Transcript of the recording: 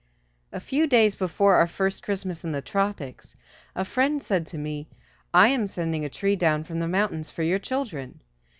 A few days before our first Christmas in the tropics a friend said to me, "I am sending a tree down from the mountains for your children."